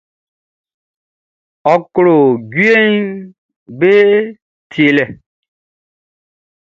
Ɔ klo jueʼm be tielɛ.